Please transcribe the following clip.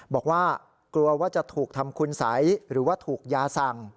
บอกว่ากลัวว่าจะถูกทำคุณสัยหรือว่าถูกยาสั่ง